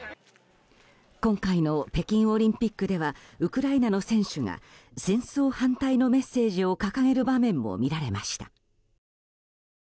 今回の北京オリンピックではウクライナの選手が戦争反対のメッセージを掲げる場面も見られました。